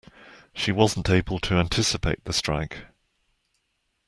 She wasn't able to anticipate the strike.